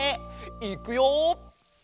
いくよ。